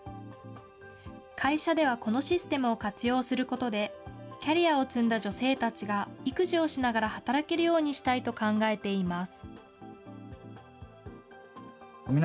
会社ではこのシステムを活用することで、キャリアを積んだ女性たちが育児をしながら働けるようにしたいと考えています。